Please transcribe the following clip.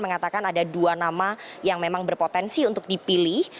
mengatakan ada dua nama yang memang berpotensi untuk dipilih